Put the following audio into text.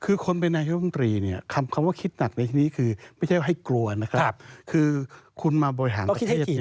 คือคนเป็นนายกรรมตรีเนี่ยคำว่าคิดหนักในทีนี้คือไม่ใช่ว่าให้กลัวนะครับคือคุณมาบริหารประเทศ